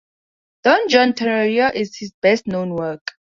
"Don Juan Tenorio" is his best-known work.